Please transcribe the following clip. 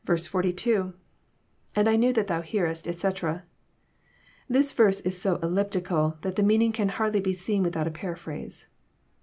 i2.—lAnd I knew that Thou hearestf etc.'] This verse is so ellipti cal that the meaning can hardly be seen without a paraphrase.